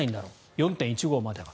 ４．１５までは。